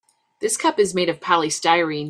This cup is made of polystyrene.